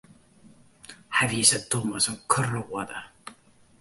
Hy wie sa dom as in kroade.